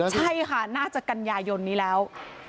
ใช่ค่ะน่าจะกันยายนนี้แล้ว